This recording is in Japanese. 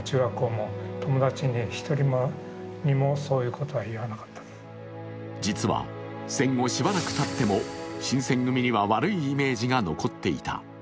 子孫の藤田さんも実は、戦後しばらくたっても新選組には悪いイメージが残っていた。